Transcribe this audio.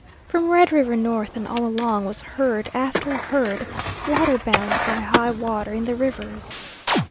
From Red River north and all along was herd after herd waterbound by high water in the rivers.